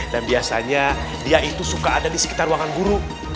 dan biasanya dia itu suka ada di sekitar ruangan guru